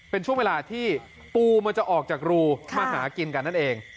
เป็นช่วงเวลาที่ปูมันจะออกจากรูมาหากินกันนั่นเอง